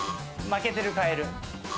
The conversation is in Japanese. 負けてるカエル。